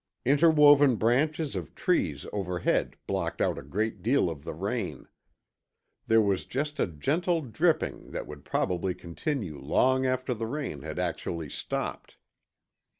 Interwoven branches of trees overhead blocked out a great deal of the rain. There was just a gentle dripping that would probably continue long after the rain had actually stopped.